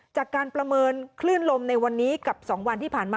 จากการประเมินคลื่นลมในวันนี้กับ๒วันที่ผ่านมา